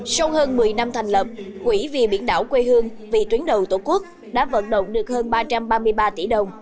sau hơn một mươi năm thành lập quỹ vì biển đảo quê hương vì tuyến đầu tổ quốc đã vận động được hơn ba trăm ba mươi ba tỷ đồng